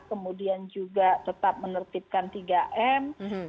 kemudian juga tetap menertibkan tiga m